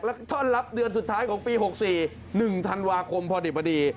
และท่อนลับเดือนสุดท้ายของปีหกสี่หนึ่งธันวาคมพอดิบดี